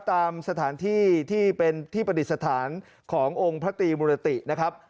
ตามสถานที่ที่เป็นที่ประดิษฐานขององค์พระตรีมุรตินะครับ